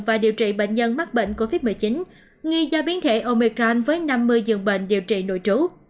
và điều trị bệnh nhân mắc bệnh covid một mươi chín nghi do biến thể omecran với năm mươi giường bệnh điều trị nội trú